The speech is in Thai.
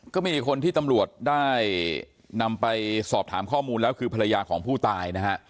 ก็มีอีกคนที่ตำรวจได้นำไปสอบถามข้อมูลแล้วคือภรรยาของผู้ตายนะฮะ